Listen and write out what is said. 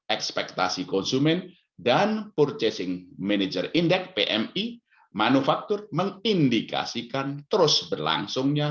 ekspektasi konsumen dan purchasing manager index pmi manufaktur mengindikasikan terus berlangsungnya